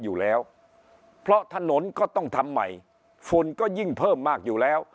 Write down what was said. อยู่แล้วเพราะถนนก็ต้องทำใหม่ฝุ่นก็ยิ่งเพิ่มมากอยู่แล้ว